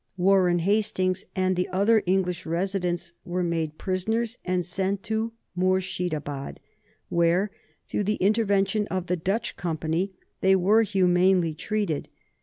Warren Hastings and the other English residents were made prisoners and sent to Murshidabad, where, through the intervention of the Dutch Company, they were humanely treated.